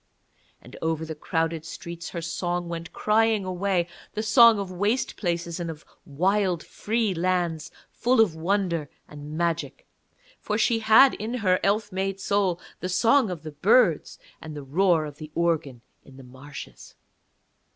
And over the crowded streets her song went crying away, the song of waste places and of wild free lands, full of wonder and magic, for she had in her elf made soul the song of the birds and the roar of the organ in the marshes.